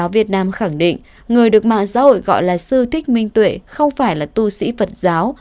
việt nam khẳng định người được mạng xã hội gọi là sư thích minh tuệ không phải là tu sĩ phật giáo